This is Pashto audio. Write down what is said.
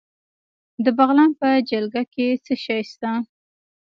د بغلان په جلګه کې څه شی شته؟